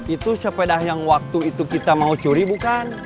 itu sepeda yang waktu itu kita mau curi bukan